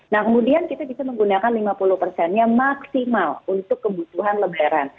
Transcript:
nah kemudian kita bisa menggunakan lima puluh persennya maksimal untuk kebutuhan lebaran